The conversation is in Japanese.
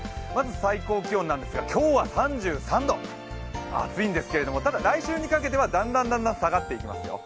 最高気温なんですが今日は３３度暑いんですけれども、ただ来週にかけては、だんだんだんだん下がってきますよ。